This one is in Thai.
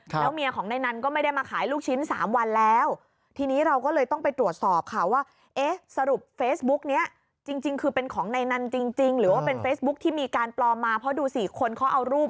ต่อให้โกนหนวดแล้วก็ยังจำได้อะไรนี้ครับ